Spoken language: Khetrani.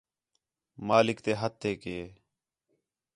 مالک تے ہتھیک ہے